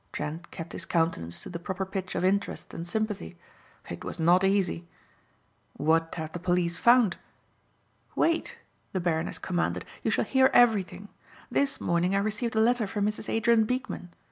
Trent kept his countenance to the proper pitch of interest and sympathy. It was not easy. "What have the police found?" "Wait," the Baroness commanded, "you shall hear everything. This morning I received a letter from Mrs. Adrien Beekman.